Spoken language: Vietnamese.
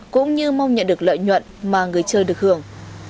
cũng như mong nhận được lợi nhuận mà người chơi được hưởng